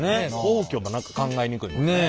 皇居も何か考えにくいもんね。